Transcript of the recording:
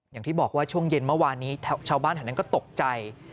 อย่างที่บอกว่าช่วงเย็นเมื่อวานนี้ชาวบ้านแถวนั้นก็ตกใจ